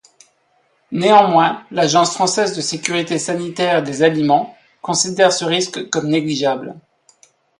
Néanmoins, l'Agence française de sécurité sanitaire des aliments considère ce risque comme négligeable.